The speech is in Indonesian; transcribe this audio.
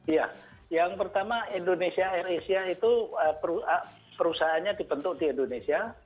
iya yang pertama indonesia air asia itu perusahaannya dibentuk di indonesia